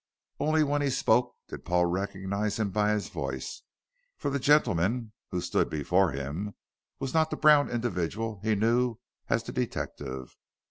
Only when he spoke did Paul recognize him by his voice, for the gentleman who stood before him was not the brown individual he knew as the detective.